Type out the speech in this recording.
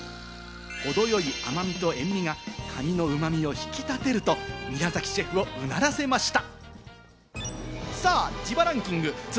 程よい甘みと塩みがかにの旨味を引き立てると、宮崎シェフを唸らせました。